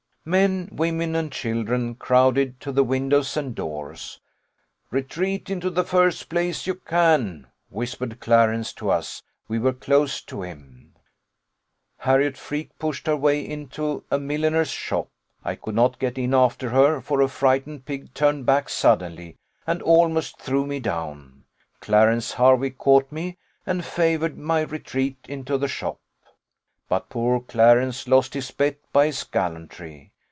"Men, women, and children, crowded to the windows and doors. 'Retreat into the first place you can,' whispered Clarence to us: we were close to him. Harriot Freke pushed her way into a milliner's shop: I could not get in after her, for a frightened pig turned back suddenly, and almost threw me down. Clarence Hervey caught me, and favoured my retreat into the shop. But poor Clarence lost his bet by his gallantry.